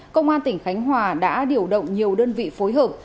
công an tỉnh khánh hòa đã điều động nhiều đơn vị phối hợp